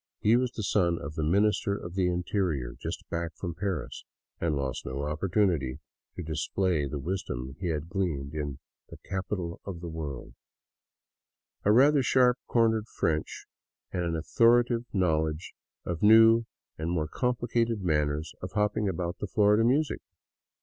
He was son of the Minister of the Interior, just back from Paris, and lost no opportunity to display the wisdom he had gleaned in the " Capital of the World," — a rather sharp cornered French and an authoritative knowledge of new and more com plicated manners of hopping about the floor to music.